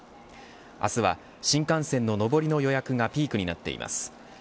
明日は新幹線の上りの予約がピークになっています。